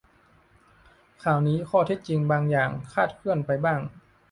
ข่าวนี้ข้อเท็จจริงบางอย่างคลาดเคลื่อนไปบ้าง